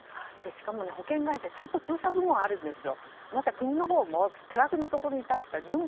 しかも保険会社ちゃんと調査部門があるんです。